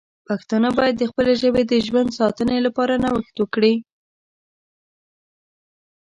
پښتانه باید د خپلې ژبې د ژوند ساتنې لپاره نوښت وکړي.